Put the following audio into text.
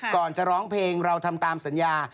ก่อนจะร้องเพลงเราทำตามสัญญา